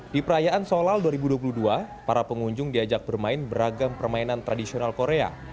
di perayaan solal dua ribu dua puluh dua para pengunjung diajak bermain beragam permainan tradisional korea